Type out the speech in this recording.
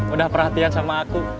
udah perhatian sama aku